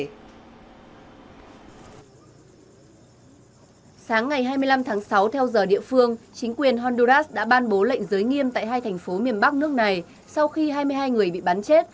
sáng ngày hai mươi năm tháng sáu theo giờ địa phương chính quyền honduras đã ban bố lệnh giới nghiêm tại hai thành phố miền bắc nước này sau khi hai mươi hai người bị bắn chết